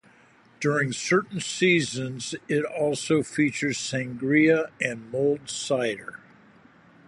During certain seasons it also features sangria and mulled cider.